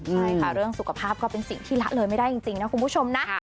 ใช่ค่ะเรื่องสุขภาพก็เป็นสิ่งที่ละเลยไม่ได้จริงนะคุณผู้ชมนะ